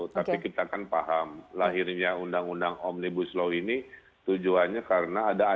tapi kita kan paham lahirnya undang undang omnibus law ini tujuannya karena ada ancaman